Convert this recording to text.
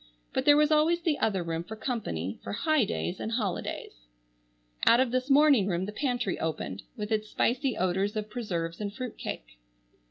But there was always the other room for company, for "high days and holidays." Out of this morning room the pantry opened with its spicy odors of preserves and fruit cake.